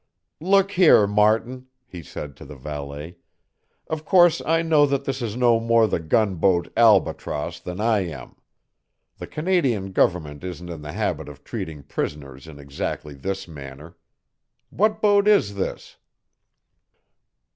"Look here, Martin," he said to the valet, "of course I know that this is no more the gunboat Albatross than I am. The Canadian government isn't in the habit of treating prisoners in exactly this manner. What boat is this?"